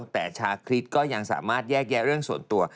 แต่ชาคริสก็ยังสามารถแยกแยะเรื่องส่วนตัว